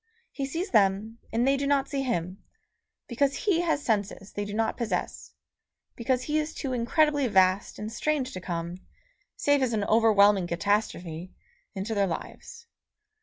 He sees them, and they do not see him, because he has senses they do not possess, because he is too incredibly vast and strange to come, save as an overwhelming catastrophe, into their lives.